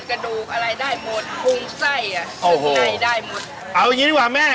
อะไรได้หมดพรุ่งไส้อ่ะอ้อโหในได้หมดเอาอย่างงี้ดีกว่าแม่